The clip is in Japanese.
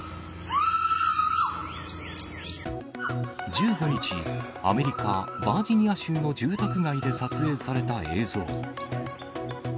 １５日、アメリカ・バージニア州の住宅街で撮影された映像。